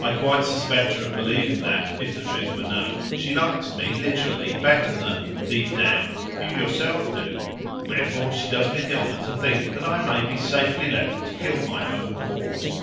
"I quite suspect her of believing that, if the truth were known, she likes me literally better than deep down you yourself do: wherefore she does me the honour to think I may be safely left to kill my own cause.